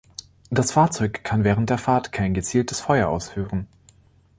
Das Fahrzeug kann während der Fahrt kein gezieltes Feuer ausführen.